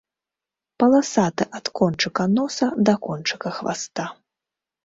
Паласаты ад кончыка носа да кончыка хваста.